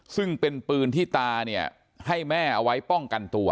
ซึ่งเป็นปืนที่ตาเนี่ยให้แม่เอาไว้ป้องกันตัว